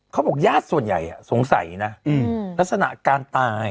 เขาบอกญาติส่วนใหญ่สงสัยนะลักษณะการตาย